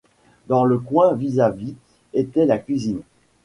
Dans le coin vis-à-vis était la cuisine.